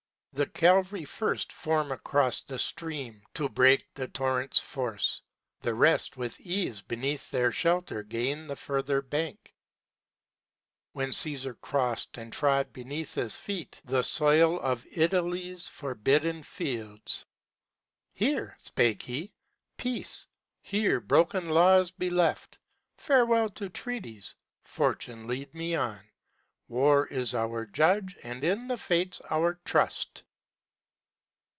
The cavalry first form across the stream ' To break the torrent's force; the rest with ease Beneath their shelter gain the further bank. When Csesar crossed and trod beneath his feet The soil of Italy's forbidden fields, "Here," spake he, "peace, here broken laws be left; Farewell to treaties. Fortune, lead me on; War is our judge, and in the fates our trust."